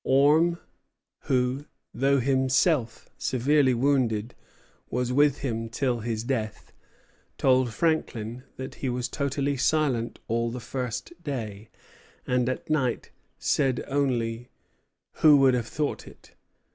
Orme, who, though himself severely wounded, was with him till his death, told Franklin that he was totally silent all the first day, and at night said only, "Who would have thought it?"